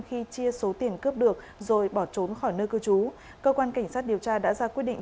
khi chia số tiền cướp được rồi bỏ trốn khỏi nơi cư trú cơ quan cảnh sát điều tra đã ra quyết định